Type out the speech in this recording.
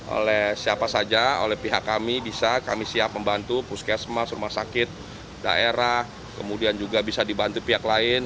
oleh siapa saja oleh pihak kami bisa kami siap membantu puskesmas rumah sakit daerah kemudian juga bisa dibantu pihak lain